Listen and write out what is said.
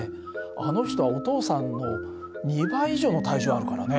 あの人はお父さんの２倍以上の体重あるからね。